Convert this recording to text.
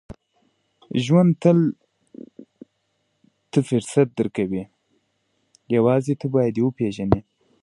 • ژوند تل ته فرصت درکوي، یوازې ته باید یې وپېژنې.